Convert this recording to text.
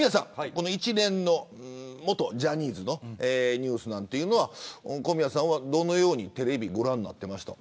この一連の元ジャニーズのニュースなんていうのは小宮さん、どのようにご覧になっていましたか。